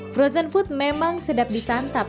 frozen food memang sedap disantap